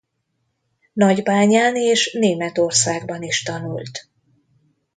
Nagybányán és Németországban is tanult.